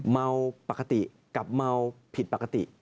เมาปกติกับเมาผิดปกติ